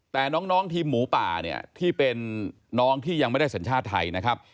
แต่น้องทีมหมูป่าเนี่ยที่เป็นน้องที่ยังไม่ได้สัญชาติไทยนะครับ